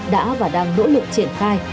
đã và đang nỗ lực triển khai